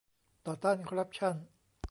ต่อต้านคอร์รัปชั่น